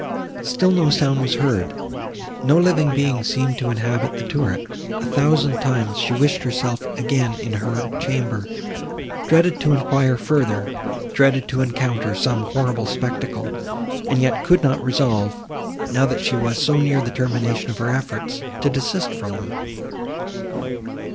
Still no sound was heard, no living being seemed to inhabit the turret; a thousand times she wished herself again in her chamber; dreaded to enquire farther—dreaded to encounter some horrible spectacle, and yet could not resolve, now that she was so near the termination of her efforts, to desist from them.